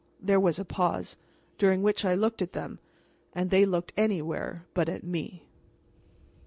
There was a pause, during which I looked at them, and they looked anywhere but at me.